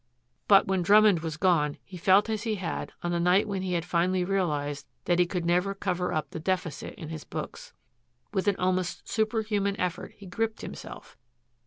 But when Drummond was gone he felt as he had on the night when he had finally realized that he could never cover up the deficit in his books. With an almost superhuman effort he gripped himself.